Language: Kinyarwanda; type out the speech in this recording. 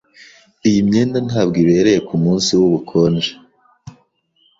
Iyi myenda ntabwo ibereye kumunsi wubukonje.